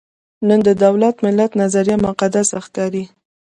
نن د دولت–ملت نظریه مقدس ښکاري.